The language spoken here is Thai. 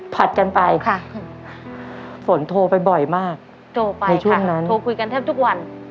ผัดกันไปค่ะฝนโทรไปบ่อยมากโทรไปช่วงนั้นโทรคุยกันแทบทุกวัน